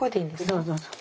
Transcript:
そうそうそう。